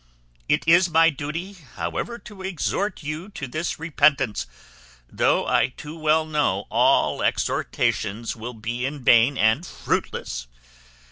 It is my duty, however, to exhort you to this repentance, though I too well know all exhortations will be vain and fruitless.